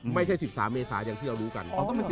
ไม่ใช่๑๓เมษาอย่างที่เรารู้กัน